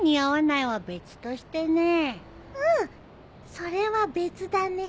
それは別だね。